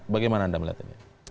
bagaimana anda melihatnya